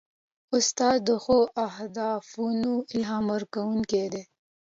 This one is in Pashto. استاد د ښو هدفونو الهام ورکوونکی دی.